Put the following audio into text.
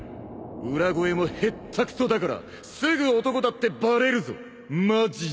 裏声も下っ手くそだからすぐ男だってバレるぞマジで。